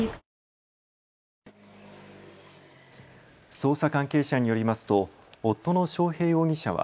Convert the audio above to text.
捜査関係者によりますと夫の章平容疑者は